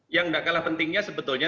yang gak kalah pentingnya sebetulnya